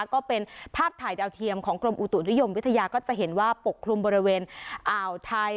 ก็เป็นภาพถ่ายดาวเทียมของกรมอุตุนิยมวิทยาก็จะเห็นว่าปกคลุมบริเวณอ่าวไทย